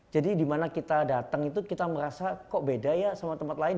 jadi dimana kita datang itu kita merasa kok beda ya sama tempat lain